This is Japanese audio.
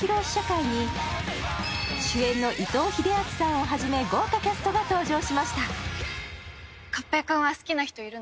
試写会に主演の伊藤英明さんをはじめ豪華キャストが登場しました。